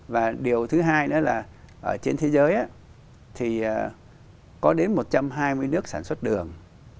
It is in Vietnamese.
và điều thứ hai nữa là ở trên thế giới thì có đến một trăm hai mươi nước sản xuất đường